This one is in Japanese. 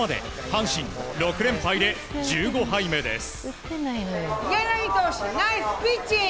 阪神、６連敗で１５敗目です。